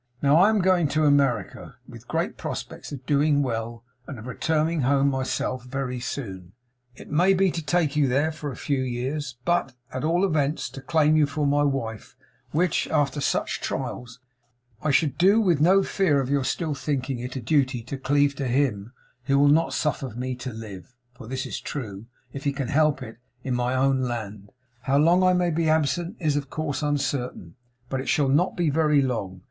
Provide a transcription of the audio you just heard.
'Now I am going to America, with great prospects of doing well, and of returning home myself very soon; it may be to take you there for a few years, but, at all events, to claim you for my wife; which, after such trials, I should do with no fear of your still thinking it a duty to cleave to him who will not suffer me to live (for this is true), if he can help it, in my own land. How long I may be absent is, of course, uncertain; but it shall not be very long.